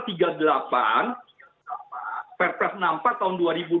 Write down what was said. perpres enam puluh empat tahun dua ribu dua puluh